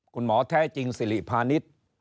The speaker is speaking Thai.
คุณหมอแท้จิงศิริพานิษฐ์